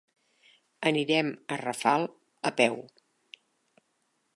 Anirem a Rafal a peu.